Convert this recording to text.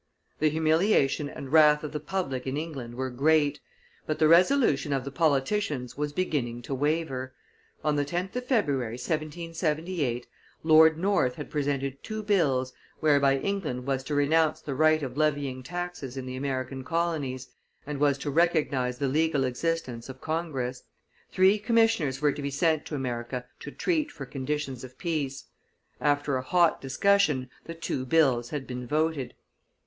The humiliation and wrath of the public in England were great, but the resolution of the politicians was beginning to waver; on the 10th of February, 1778, Lord North had presented two bills whereby England was to renounce the right of levying taxes in the American colonies, and was to recognize the legal existence of Congress. Three commissioners were to be sent to America to treat for conditions of peace. After a hot discussion, the two bills had been voted.